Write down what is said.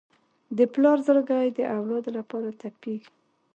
د پلار زړګی د اولاد لپاره تپېږي.